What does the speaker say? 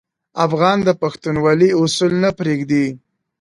افغان د پښتونولي اصول نه پرېږدي.